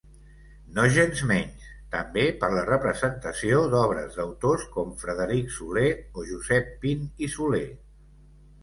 Nogensmenys, també per la representació d'obres d'autors com Frederic Soler o Josep Pin i Soler.